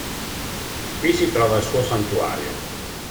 Qui si trova il suo santuario.